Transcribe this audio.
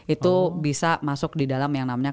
itu bisa masuk di dalam yang namanya